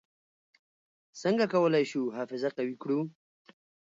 څنګه کولای شو حافظه قوي کړو؟